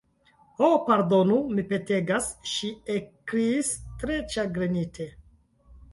"Ho, pardonu, mi petegas," ŝi ekkriis tre ĉagrenite.